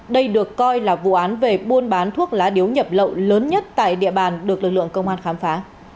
đây được coi là vụ án về buôn bán thuốc lá điếu nhập lậu lớn nhất tại địa bàn được lực lượng công an khám phá